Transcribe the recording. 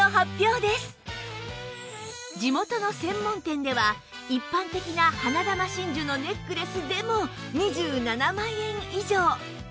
それでは一般的な花珠真珠のネックレスでも２７万円以上